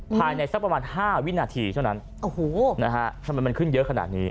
ถ่ายในสักประมาณ๕วินาทีเท่านั้นทำไมมันขึ้นเยอะขนาดนี้